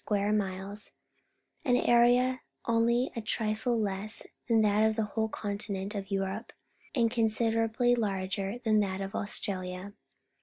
uare_JBilfis, an area only a trifle less than that of the whole continent of Europe, and considerably larger than that of AustraUa.